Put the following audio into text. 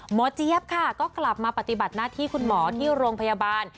เจี๊ยบค่ะก็กลับมาปฏิบัติหน้าที่คุณหมอที่โรงพยาบาล